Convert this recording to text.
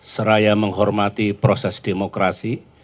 seraya menghormati proses demokrasi